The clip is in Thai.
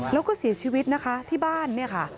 แล้วก็เสียชีวิตนะคะที่บ้าน